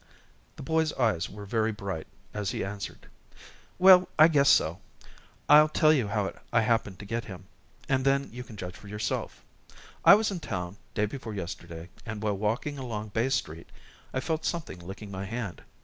The boy's eyes were very bright as he answered: "Well, I guess so. I'll tell you how I happened to get him, and then you can judge for yourself. I was in town day before yesterday, and, while walking along Bay Street, I felt something licking my hand.